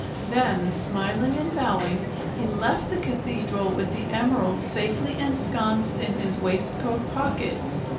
Then, smiling and bowing, he left the cathedral with the emerald safely ensconced in his waistcoat pocket.